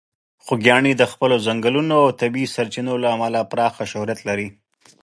خوږیاڼي د خپلې ځنګلونو او د طبیعي سرچینو له امله پراخه شهرت لري.